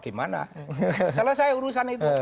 gimana selesai urusan itu